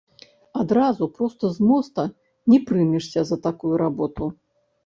Адразу, проста з моста, не прымешся за такую работу.